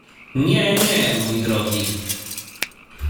— Nie, nie, mój drogi!